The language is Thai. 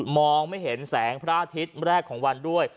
มองไม่เห็นแสงพระอาทิตย์แรกของวันด้วย